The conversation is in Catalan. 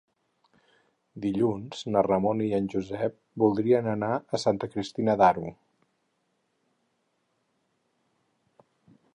Dilluns na Ramona i en Josep voldrien anar a Santa Cristina d'Aro.